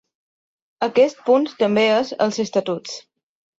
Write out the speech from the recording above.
Aquest punt també és als estatuts.